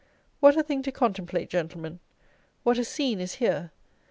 What a thing to contemplate, Gentlemen! What a scene is here!